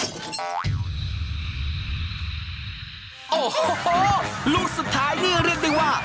โอ้โหลูกสุดท้ายนี่เรียกได้ว่า